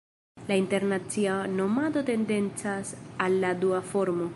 La internacia nomado tendencas al la dua formo.